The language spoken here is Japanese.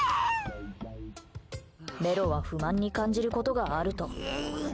メロは不満に感じることがあると。